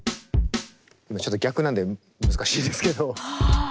今ちょっと逆なんで難しいですけど。は。